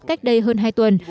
cách đây hơn hai tuần